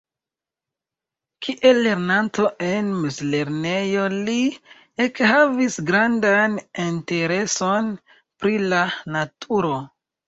Kiel lernanto en mezlernejo li ekhavis grandan intereson pri la naturo.